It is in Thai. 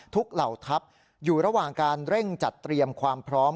เหล่าทัพอยู่ระหว่างการเร่งจัดเตรียมความพร้อม